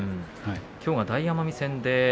きょう大奄美戦です。